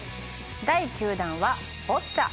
第９弾はボッチャ。